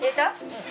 うん。